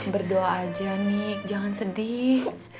berdoa aja nik jangan sedih